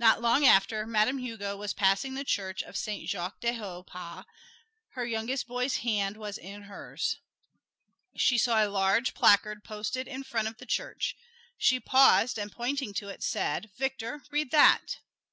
Not long after, Madame Hugo was passing the church of Saint Jacques du Haut Pas: her youngest boy's hand was in hers. She saw a large placard posted in front of the church. She paused and pointing to it said, "Victor, read that!"